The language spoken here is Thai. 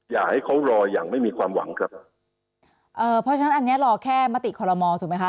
อย่าให้เขารออย่างไม่มีความหวังครับเอ่อเพราะฉะนั้นอันเนี้ยรอแค่มติคอลโมถูกไหมคะ